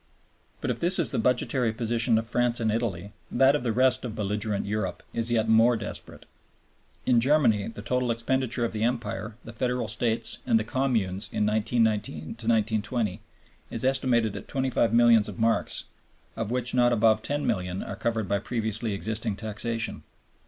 But if this is the budgetary position of France and Italy, that of the rest of belligerent Europe is yet more desperate. In Germany the total expenditure of the Empire, the Federal States, and the Communes in 1919 20 is estimated at 25 milliards of marks, of which not above 10 milliards are covered by previously existing taxation.